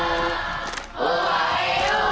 aku pindah di natuna